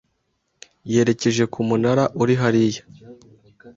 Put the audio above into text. Yerekeje ku munara uri hariya.